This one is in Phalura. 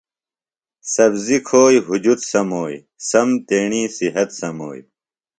سبزیۡ کُھوئی ہُجت سموئی، سم تیݨی صحت سموئی